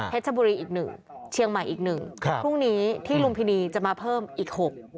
เทศบุรีอีก๑เชียงใหม่อีก๑พรุ่งนี้ที่ลุมพินีจะมาเพิ่มอีก๖